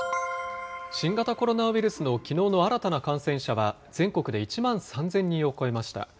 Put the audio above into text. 新型コロナウイルスのきのうの新たな感染者は、全国で１万３０００人を超えました。